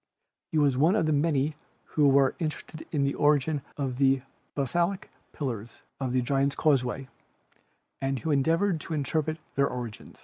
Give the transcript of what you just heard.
He was one of the many who were interested in the origin of the basaltic pillars of the Giants' Causeway and who endeavored to interpret their origin.